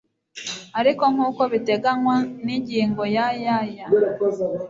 ariko nk uko biteganywa n ingingo ya y aya